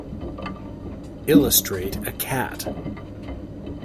Illustrate a cat.